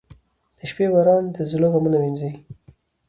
• د شپې باران د زړه غمونه وینځي.